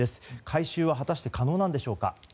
回収は果たして可能なんでしょうか。